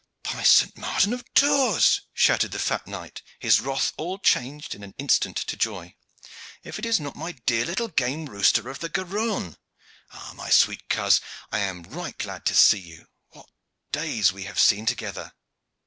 "By St. Martin of Tours!" shouted the fat knight, his wrath all changed in an instant to joy, "if it is not my dear little game rooster of the Garonne. Ah, my sweet coz, I am right glad to see you. What days we have seen together!"